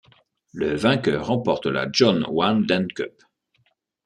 Le vainqueur remporte la John I Dent Cup.